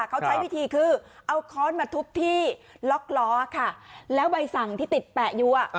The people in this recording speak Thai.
เขาใช้วิธีคือเอาค้อนมาทุบที่ล็อกล้อค่ะแล้วใบสั่งที่ติดแปะอยู่อ่ะ